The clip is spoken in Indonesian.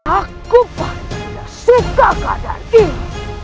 aku paling tidak suka keadaan ini